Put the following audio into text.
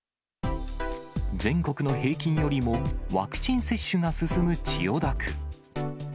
全国の平均よりもワクチン接種が進む千代田区。